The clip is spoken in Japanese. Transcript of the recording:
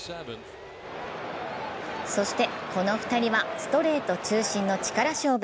そしてこの２人はストレート中心の力勝負。